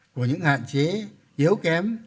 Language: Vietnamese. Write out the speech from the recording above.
của những hạn chế yếu kém